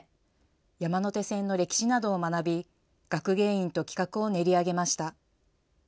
山手線の歴史などを学び学芸員と企画を練り上げました。